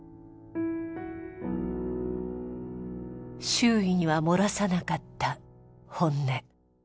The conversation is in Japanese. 周囲には漏らさなかった本音。